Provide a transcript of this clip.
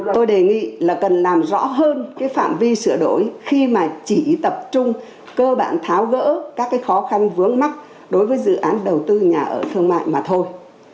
tôi đề nghị là cần làm rõ hơn cái phạm vi sửa đổi khi mà chỉ tập trung cơ bản tháo gỡ các cái khó khăn vướng mắt đối với dự án đầu tư nhà ở thương mại mà thôi